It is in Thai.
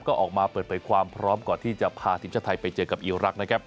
ก็ออกมาเปิดเผยความพร้อมก่อนที่จะพาทีมชาติไทยไปเจอกับอีรักษ์นะครับ